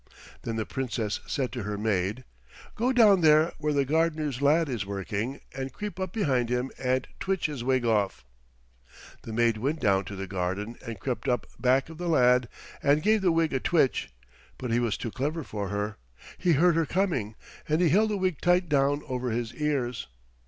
Then the Princess said to her maid, "Go down there where the gardener's lad is working and creep up behind him and twitch his wig off." The maid went down to the garden and crept up back of the lad and gave the wig a twitch, but he was too clever for her. He heard her coming, and he held the wig tight down over his ears.